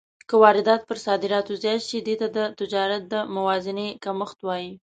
که واردات پر صادراتو زیات شي، دې ته د تجارت د موازنې کمښت وايي.